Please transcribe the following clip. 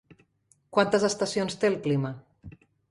Quantes estacions té el clima?